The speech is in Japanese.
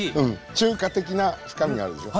中華的な深みがあるでしょう？